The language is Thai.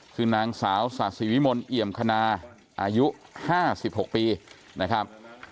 คือนางสาวศาสิวิมลเอี่ยมคณาอายุ๕๖ปีนะครับ